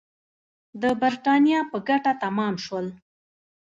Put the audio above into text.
د برېټانیا په ګټه تمام شول.